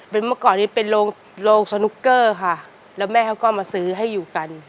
เมื่อก่อนนี้เป็นโรงสนุกเกอร์ค่ะแล้วแม่เขาก็มาซื้อให้อยู่กัน